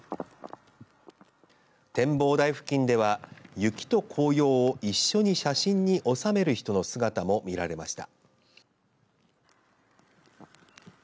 展望台付近では雪と紅葉を一緒に写真に収める人の姿も見られました。